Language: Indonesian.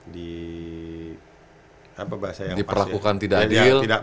di apa bahasa yang pas ya